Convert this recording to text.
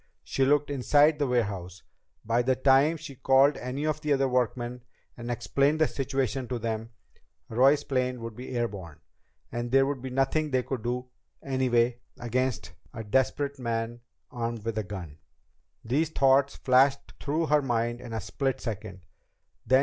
She looked inside the warehouse. By the time she called any of the other workmen and explained the situation to them, Roy's plane would be air borne. And there would be nothing they could do, anyway, against a desperate man armed with a gun. These thoughts flashed through her mind in a split second.